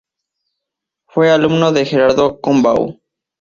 Fue alumno de Gerardo Gombau.